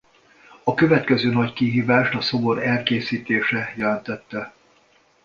A következő nagy kihívást a szobor elkészítése jelentette.